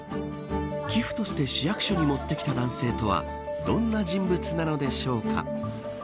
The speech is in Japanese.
寄付として市役所に持って来た男性とはどんな人物なのでしょうか。